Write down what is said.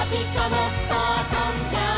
もっとあそんじゃおう！」